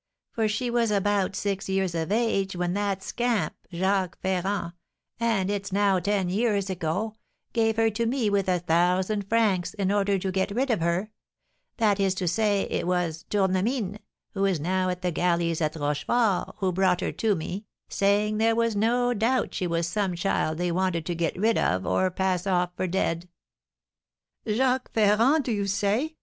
For she was about six years of age when that scamp, Jacques Ferrand (and it's now ten years ago), gave her to me with a thousand francs, in order to get rid of her, that is to say, it was Tournemine, who is now at the galleys at Rochefort, who brought her to me, saying there was no doubt she was some child they wanted to get rid of or pass off for dead." "Jacques Ferrand, do you say?"